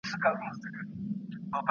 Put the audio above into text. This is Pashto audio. ايا مارکس د بشپړېدا په ټکي باور درلود؟